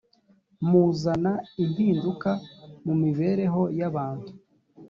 muzana impinduka mu mibereho y ‘abantu.